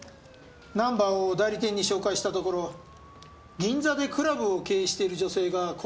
ナンバーを代理店に照会したところ銀座でクラブを経営してる女性が購入したものとわかりました。